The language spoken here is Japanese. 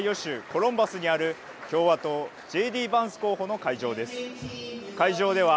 コロンバスにある共和党Ｊ・Ｄ・バンス候補の会場です。